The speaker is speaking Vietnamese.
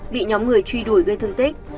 bị nhóm người truy đuổi gây thương tích